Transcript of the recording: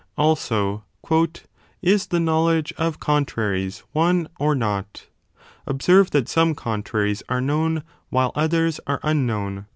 Also, Is the knowledge of con traries one or not? Observe that some contraries are known, while others are unknown.